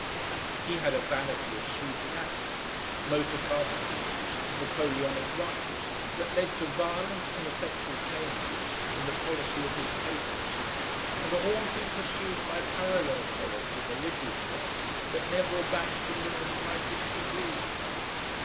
He had a vanity of sweeping actions, motor car pounces, Napoleonic rushes, that led to violent ineffectual changes in the policy of his papers, and a haunting pursuit by parallel columns in the liberal press that never abashed him in the slightest degree.